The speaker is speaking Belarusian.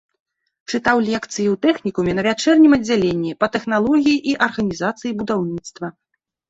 Чытаў лекцыі ў тэхнікуме на вячэрнім аддзяленні па тэхналогіі і арганізацыі будаўніцтва.